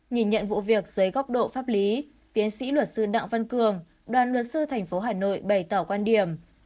nhìn nhận vụ việc dưới góc độ pháp lý tiến sĩ luật sư đặng văn cường đoàn luật sư thành phố hà nội bày tỏ quan điểm